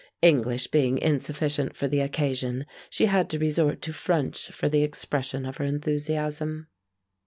English being insufficient for the occasion, she had to resort to French for the expression of her enthusiasm.